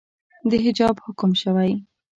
د حجاب حکم شوئ